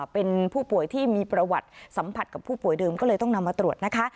เป็นผู้ป่วยที่มีประวัติสัมผัสกับผู้ป่วยเดิมก็เลยต้องนำมาตรวจนะคะ